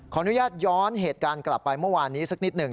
อนุญาตย้อนเหตุการณ์กลับไปเมื่อวานนี้สักนิดหนึ่ง